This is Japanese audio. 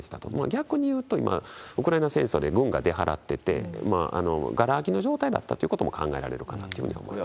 逆にいうと、今、ウクライナ戦争で軍が出払ってて、がら空きの状態だったということも考えられるかなというふうに思います。